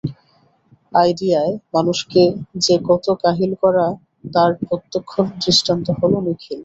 আইডিয়ায় মানুষকে যে কত কাহিল করে তার প্রত্যক্ষ দৃষ্টান্ত হল নিখিল।